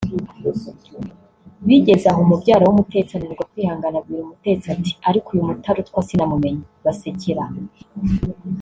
Bigeze aho mubyara w’Umutesi ananirwa kwihangana abwira Umutesi ati “ Ariko uyu mutarutwa sinamumenye(Basekera icyarimwe)